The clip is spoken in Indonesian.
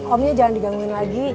omnya jangan digangguin lagi